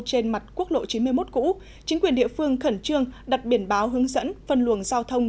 trên mặt quốc lộ chín mươi một cũ chính quyền địa phương khẩn trương đặt biển báo hướng dẫn phân luồng giao thông